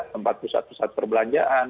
tempat pusat pusat perbelanjaan